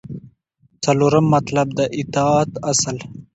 څلورم مطلب : د اطاعت اصل